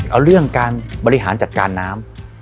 เอาเรื่องการบริหารจัดการน้ำ